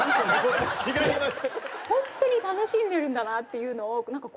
違います。